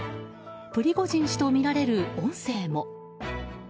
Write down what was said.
プリゴジン氏とみられる音声も。